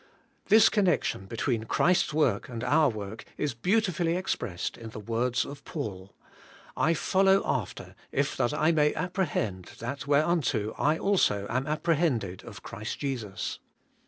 This connection between Christ's work and our work is beautifully expressed in the words of Paul : *I follow after, if that 1 may apprehend that where unto / also am apprehended of Christ Jesus.'